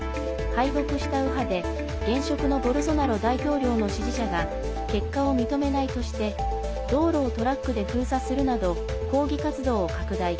敗北した右派で、現職のボルソナロ大統領の支持者が結果を認めないとして道路をトラックで封鎖するなど抗議活動を拡大。